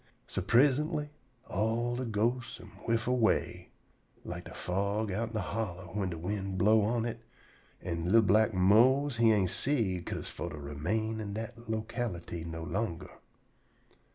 So prisintly all de ghostes am whiff away, like de fog outen de holler whin de wind blow' on it, an' li'l black Mose he ain' see 'ca'se for to remain in dat locality no longer.